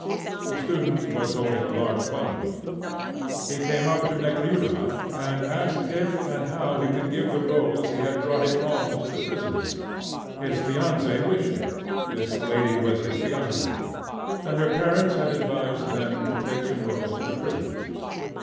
The student was holding a large bundle. He came up to Nekhludoff, and asked if and how he could give the rolls he had brought in alms to the prisoners. His fiancee wished it (this lady was his fiancee), and her parents had advised them to take some rolls to the prisoners.